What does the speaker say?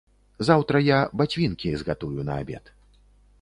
Заўтра я бацвінкі згатую на абед.